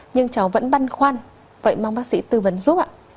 nhưng cháu vẫn băn khoăn vậy mong bác sĩ tư vấn giúp ạ